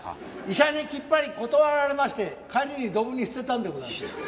医者にきっぱり断られまして帰りにドブに捨てたんでございますよ。